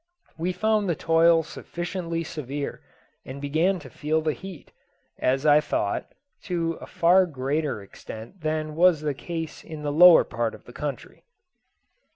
We found the toil sufficiently severe, and began to feel the heat, as I thought, to a far greater extent than was the case in the lower part of the country.